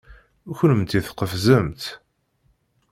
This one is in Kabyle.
Kennemti tqefzemt.